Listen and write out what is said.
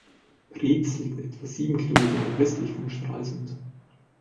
Preetz liegt etwa sieben Kilometer nordwestlich von Stralsund.